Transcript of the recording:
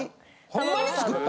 ホンマに作った？